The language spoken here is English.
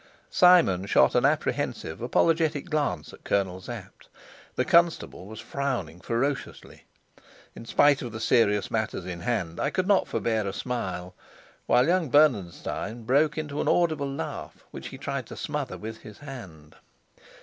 Simon shot an apprehensive apologetic glance at Colonel Sapt. The constable was frowning ferociously. In spite of the serious matters in hand I could not forbear a smile, while young Bernenstein broke into an audible laugh, which he tried to smother with his hand.